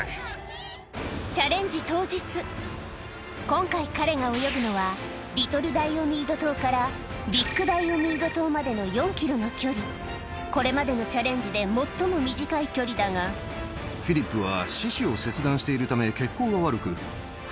今回彼が泳ぐのはリトルダイオミード島からビッグダイオミード島までの４ｋｍの距離これまでのチャレンジで最も短い距離だがフィリップは。